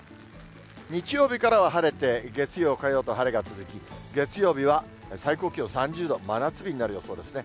日曜日からは晴れて、月曜、火曜と晴れが続き、月曜日は最高気温３０度、真夏日になる予想ですね。